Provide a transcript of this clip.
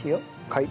はい。